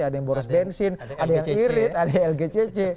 ada yang boros bensin ada yang irit ada yang lgcc